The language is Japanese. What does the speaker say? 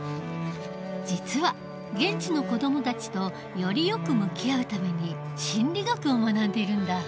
実は現地の子どもたちとよりよく向き合うために心理学を学んでいるんだ。